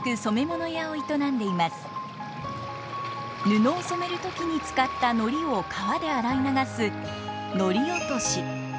布を染める時に使った糊を川で洗い流す糊落とし。